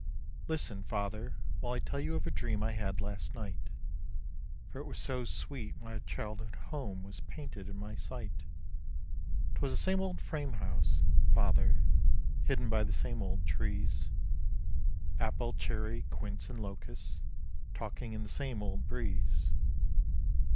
Listen, father, while I tell you of a dream I had last night; For it was so sweet my childhood home was painted in my sight. 'Twas the same old frame house, father, hidden by the same old trees, Apple, cherry, quince and locust, talking in the same old breeze.